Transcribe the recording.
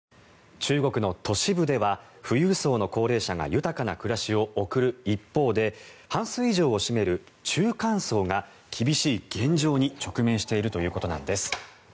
中国の都市部では富裕層の高齢者が豊かな暮らしを送る一方で半数以上を占める中間層が厳しい現状に直面しているということです。